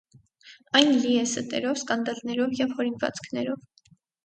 Այն լի է ստերով, սկանդալներով և հորինվածքներով։